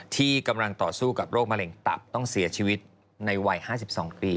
ที่กำลังต่อสู้กับโรคมะเร็งตับต้องเสียชีวิตในวัย๕๒ปี